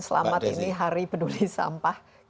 selamat hari peduli sampah